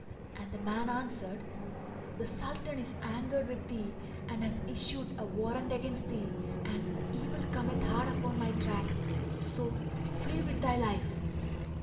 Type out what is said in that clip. and the man answered, "The Sultan is angered with thee and hath issued a warrant against thee, and evil cometh hard upon my track; so flee with thy life!"